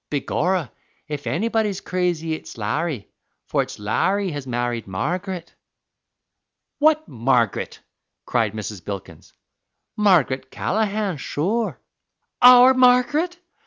"Begorra, if anybody's crazy, it's Larry, for it's Larry has married Margaret." "What Margaret?" cried Mrs. Bilkins. "Margaret Callaghan, sure." "Our Margaret?